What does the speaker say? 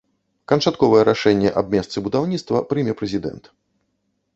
Канчатковае рашэнне аб месцы будаўніцтва прыме прэзідэнт.